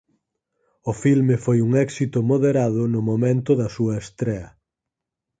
O filme foi un éxito moderado no momento da súa estrea.